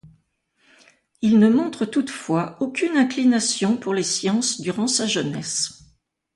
Il ne montre toutefois aucune inclination pour les sciences durant sa jeunesse.